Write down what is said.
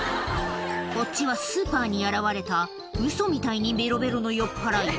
こっちはスーパーに現れた、ウソみたいにべろべろの酔っ払い。